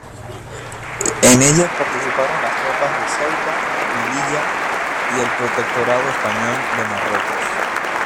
En ellas participaron las tropas de Ceuta, Melilla y el Protectorado Español de Marruecos.